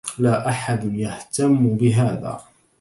لا أحد يهتمّ بهذا.